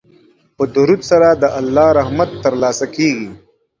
په درود سره د الله رحمت ترلاسه کیږي.